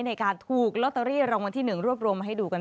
ในการถูกลอตเตอรี่รางวัลที่๑รวบรวมมาให้ดูกัน